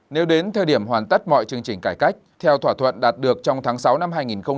nếu đến thời điểm hoàn tất mọi chương trình cải cách theo thỏa thuận đạt được trong tháng sáu năm hai nghìn một mươi tám